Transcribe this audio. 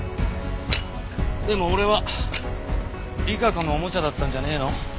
でも俺は莉華子のおもちゃだったんじゃねえの？